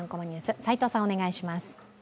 齋藤さん、お願いします。